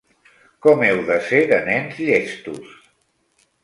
Com heu de ser de nens llestos!